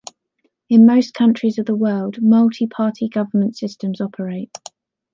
In most countries of the world, multi-party government systems operate.